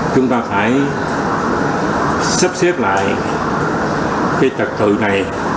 chúng ta phải sắp xếp lại cái trật tự này